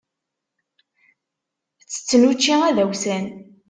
Ttetten učči adawsan.